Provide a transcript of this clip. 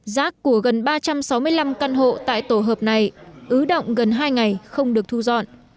rác của gần ba trăm sáu mươi năm căn hộ tại tổ hợp này ứ động gần hai ngày không được thu dọn